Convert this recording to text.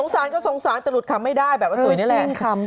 สารก็สงสารแต่หลุดคำไม่ได้แบบว่าตุ๋ยนี่แหละ